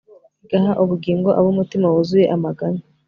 igaha ubugingo ab'umutima wuzuye amaganya